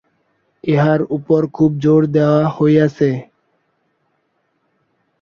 ইহার উপর খুব জোর দেওয়া হইয়াছে।